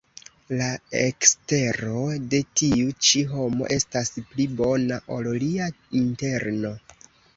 La ekstero de tiu ĉi homo estas pli bona, ol lia interno.